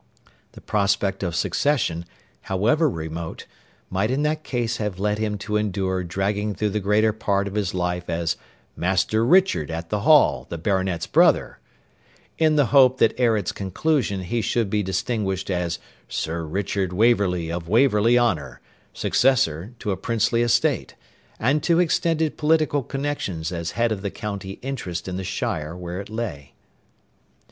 The prospect of succession, however remote, might in that case have led him to endure dragging through the greater part of his life as 'Master Richard at the Hall, the Baronet's brother,' in the hope that ere its conclusion he should be distinguished as Sir Richard Waverley of Waverley Honour, successor to a princely estate, and to extended political connections as head of the county interest in the shire where it lay.